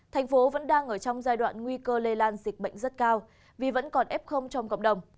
thành phố vẫn đang ở trong giai đoạn nguy cơ lây lan dịch bệnh rất cao vì vẫn còn f trong cộng đồng